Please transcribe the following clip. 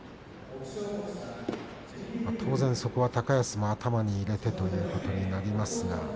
当然そこは高安も頭に入れてということになります。